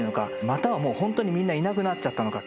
またはもうほんとにみんないなくなっちゃったのか。